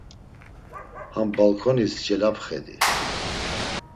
Ham balǩonis celapxedi.